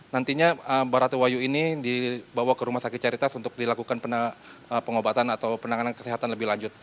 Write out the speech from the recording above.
nantinya mbak ratu wahyu ini dibawa ke rumah sakit caritas untuk dilakukan pengobatan atau penanganan kesehatan lebih lanjut